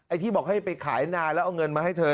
ที่บอกให้ไปขายนานแล้วเอาเงินมาให้เธอ